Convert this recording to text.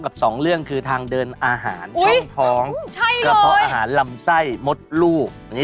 ขอบคุณอาจารย์ค่ะ